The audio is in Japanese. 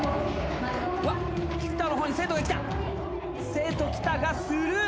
生徒来たがスルー。